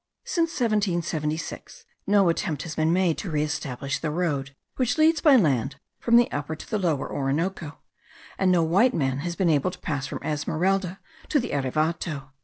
Since 1776 no attempt has been made to re establish the road which leads by land from the Upper to the Lower Orinoco, and no white man has been able to pass from Esmeralda to the Erevato.